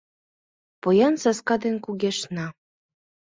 Поян саска ден кугешна.